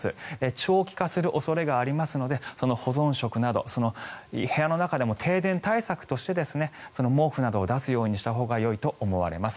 長期化する恐れがありますので保存食など部屋の中でも停電対策として毛布などを出すようにしたほうがよいと思われます。